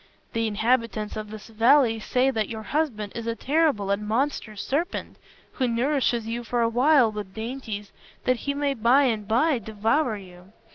The inhabitants of this valley say that your husband is a terrible and monstrous serpent, who nourishes you for a while with dainties that he may by and by devour you.